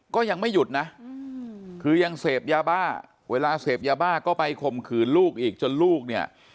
ก็ยังไม่หยุดนะคือยังเสพยาบ้าเวลาเสพยาบ้าก็ไปข่มขืนลูกอีกจนลูกเนี่ย